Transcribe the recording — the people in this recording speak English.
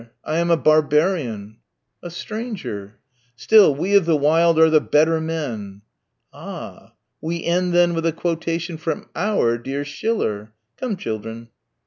I am a barbarian." "A stranger." "Still we of the wild are the better men." "Ah. We end then with a quotation from our dear Schiller. Come, children."